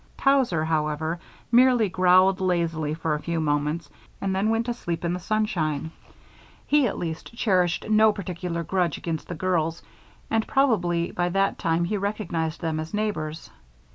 Towser, however, merely growled lazily for a few moments and then went to sleep in the sunshine he, at least, cherished no particular grudge against the girls and probably by that time he recognized them as neighbors.